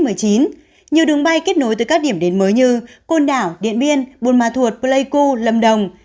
nhiều đường bay kết nối từ các điểm đến mới như côn đảo điện biên bùn mà thuột pleiku lâm đồng